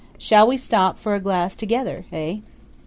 Shall we stop for a glass together, eh?"